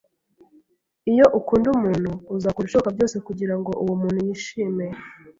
Iyo ukunda umuntu, uzakora ibishoboka byose kugirango uwo muntu yishime